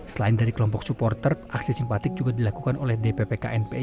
selain dari kelompok supporter aksi simpatik juga dilakukan oleh dpp knpi